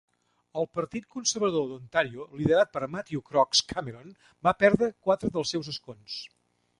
El Partit Conservador d'Ontàrio, liderat per Matthew Crooks Cameron, va perdre quatre dels seus escons.